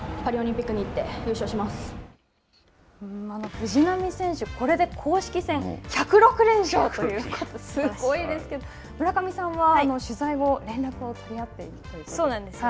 藤波選手、これで公式戦１０６連勝ということですごいですけど、村上さんは、取材後、連絡を取り合っているそうですね。